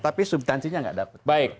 tapi subtansinya tidak dapat